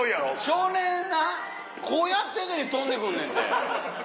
少年なこうやってんのに飛んでくんねんって。